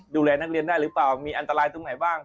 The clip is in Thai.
ดูแลนักเรียนได้หรือเปล่ามีอันตรายตรงไหนบ้าง